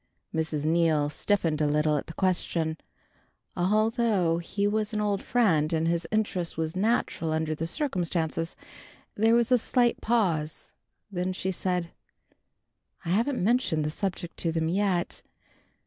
Mrs. Neal stiffened a little at the question, although he was an old friend, and his interest was natural under the circumstances. There was a slight pause, then she said: "I haven't mentioned the subject to them yet.